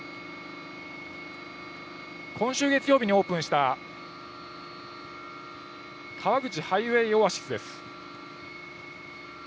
今週月曜日にオープンした、川口ハイウェイオアシスです。